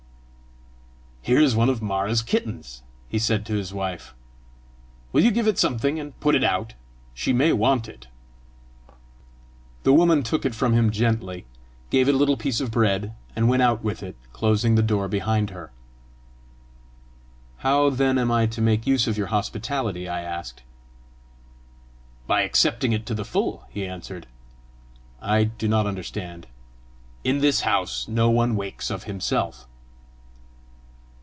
"Here is one of Mara's kittens!" he said to his wife: "will you give it something and put it out? she may want it!" The woman took it from him gently, gave it a little piece of bread, and went out with it, closing the door behind her. "How then am I to make use of your hospitality?" I asked. "By accepting it to the full," he answered. "I do not understand." "In this house no one wakes of himself."